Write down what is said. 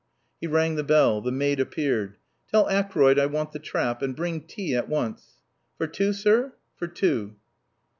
He rang the bell. The maid appeared. "Tell Acroyd I want the trap. And bring tea at once." "For two, sir?" "For two."